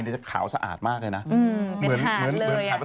แล้วคนไทยทั้งประเทศจะต้องไปด้วยนะครับ